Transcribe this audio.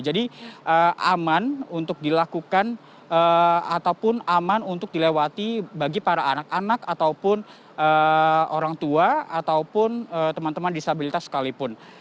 jadi aman untuk dilakukan ataupun aman untuk dilewati bagi para anak anak ataupun orang tua ataupun teman teman disabilitas sekalipun